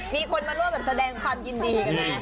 มีคนมาร่วมแบบแสดงความยินดีกันนะ